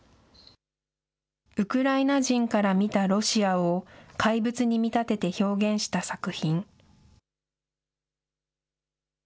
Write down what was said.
ウクライナ人から見たロシアを怪物に見立てて表現した作品。